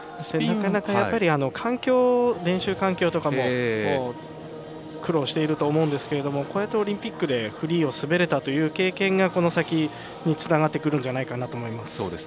なかなか練習環境とかも苦労していると思うんですけどもこうやってオリンピックでフリーを滑れたという経験がこの先につながってくるんじゃないかと思います。